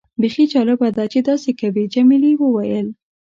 بیخي جالبه ده چې داسې کوي. جميلې وويل:.